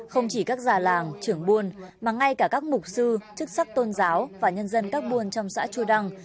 không chỉ các già làng trưởng buôn mà ngay cả các mục sư chức sắc tôn giáo và nhân dân các buôn trong xã chú đăng